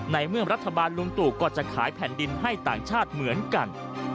ในเมื่อรัฐบาลลุงตู่ก็จะขายแผ่นดินให้ต่างชาติเหมือนกัน